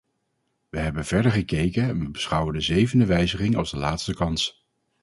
Wij hebben verder gekeken en we beschouwen de zevende wijziging als de laatste kans.